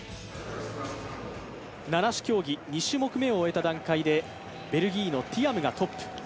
七種競技、２種目めを終えた段階でベルギーのティアムがトップ。